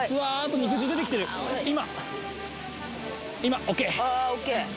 今！